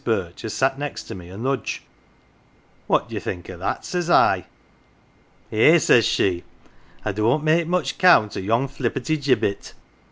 Birch, as sat next me, a nudge. "' What d'ye think o 1 that ?' says I. "' Eh, 1 says she, ' I don't make much count o' yon flipperty gibbet.